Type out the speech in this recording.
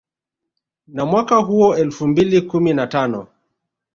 Na mwaka huo elfu mbili kumi na tano